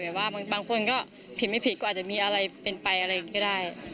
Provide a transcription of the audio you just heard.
บางคนก็ผิดไม่ผิดก็อาจจะมีอะไรเป็นไปอะไรก็ได้